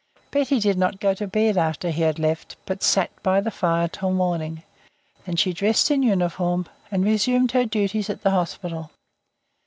Betty did not go to bed after he had left, but sat by the fire till morning. Then she dressed in uniform and resumed her duties at the hospital.